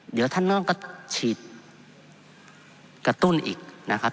เดี๋ยวท่านนอกก็ฉีดกระตุ้นอีกนะครับ